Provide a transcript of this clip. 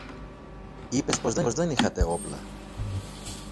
Είπες πως δεν είχατε όπλα